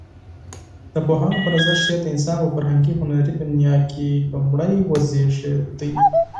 د پوهانو په نظر شعر د انسان په فرهنګي هنري دنيا کې لومړى وزيږيده.